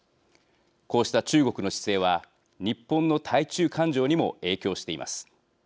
こうした中国の姿勢は日本の対中感情にも影響しています。